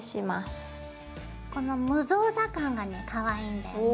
この無造作感がねかわいいんだよね。